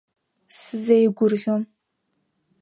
Сзеигәырӷьо…